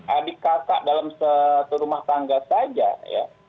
adik kakak dalam satu rumah tangga saja ya